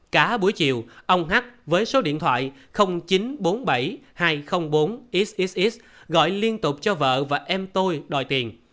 cá buổi chiều ông hắt với số điện thoại chín trăm bốn mươi bảy hai trăm linh bốn xxx gọi liên tục cho vợ và em tôi đòi tiền